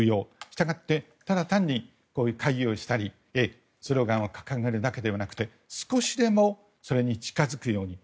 従って、ただ単に会議をしたりスローガンを掲げるだけではなく少しでもそれに近づくように。